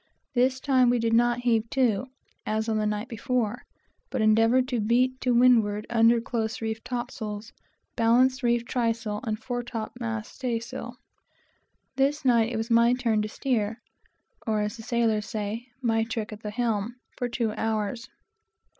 This time, we did not heave to, as on the night before, but endeavored to beat to windward under close reefed top sails, balance reefed trysail, and fore top mast stay sail. This night it was my turn to steer, or, as the sailors say, my trick at the helm, for two hours.